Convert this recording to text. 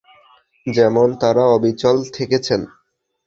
যেমন তারা অবিচল থেকেছেন।